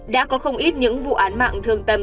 đã có không ít những vụ án mạng thương tâm